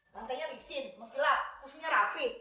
lantainya resin makin lap kusunya rapi